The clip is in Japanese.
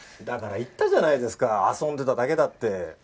だから言ったじゃないですか遊んでただけだって。